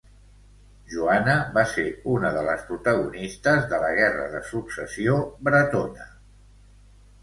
Joana va ser una de les protagonistes de la Guerra de Successió Bretona.